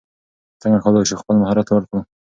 څنګه کولای سو خپل مهارت لوړ کړو؟